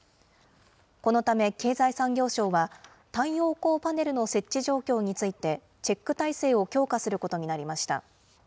このため経済産業省は、太陽光パネルの設置状況について、チェック体制を強化することになりました。